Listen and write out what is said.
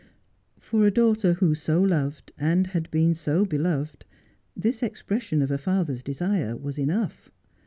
Kor a daughter who so loved, and had been so beloved, this expression of a father's desire was enough.